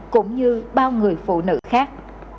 cũng như bao người phụ nữ khác